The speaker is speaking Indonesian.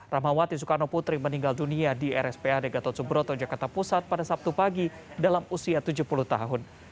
rahmawati soekarno putri meninggal dunia di rspad gatot subroto jakarta pusat pada sabtu pagi dalam usia tujuh puluh tahun